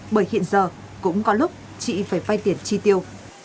bởi hiện giờ cũng có lúc chị phải phai tiền chi tiêu